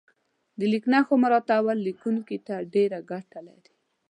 د لیک نښو مراعاتول لیکونکي ته ډېره ګټه لري.